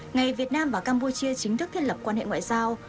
ngày việt nam và campuchia chính thức thiết lập quan hệ ngoại giao